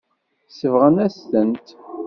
Sebɣen-as-tent.